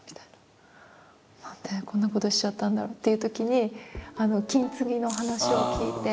何でこんなことしちゃったんだろうっていうときに金継ぎの話を聞いて。